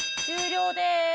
終了です！